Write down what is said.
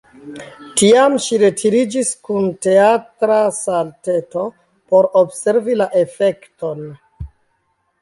Tiam ŝi retiriĝis kun teatra salteto, por observi la efekton.